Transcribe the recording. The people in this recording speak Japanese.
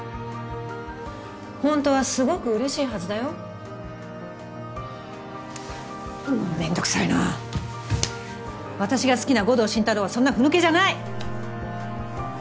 ホントはすごく嬉しいはずだよもうっめんどくさいな私が好きな護道心太朗はそんなふぬけじゃない！